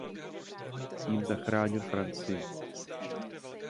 Tím zachránil Francii.